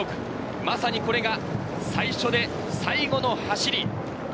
まさにこれが最初で最後の走り。